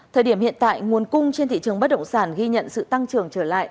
thời điểm hiện tại nguồn cung trên thị trường bất động sản ghi nhận sự tăng trưởng trở lại